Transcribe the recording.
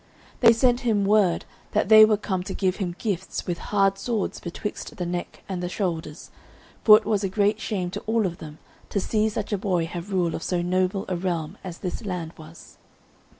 They sent him word that they were come to give him gifts with hard swords betwixt the neck and the shoulders, for it was great shame to all of them to see such a boy have rule of so noble a realm as this land was.